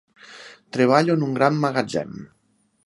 Treballo en un gran magatzem.